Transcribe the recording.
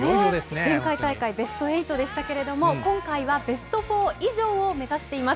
前回大会ベストエイトでしたけれども、今回はベストフォー以上を目指しています。